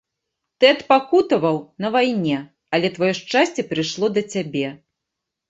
Ты адпакутаваў на вайне, але тваё шчасце прыйшло да цябе.